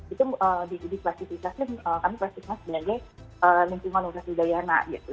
itu diklasifikasi kami klasifikasi sebagai lingkungan universitas udayana gitu